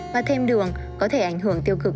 và thêm đường có thể ảnh hưởng tiêu cực